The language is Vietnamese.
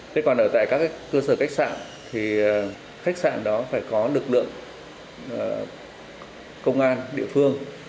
thế còn ở tại các cơ sở cách sạn thì khách sạn đó phải có lực lượng công an địa phương